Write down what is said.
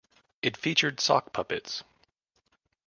It featured sock puppets.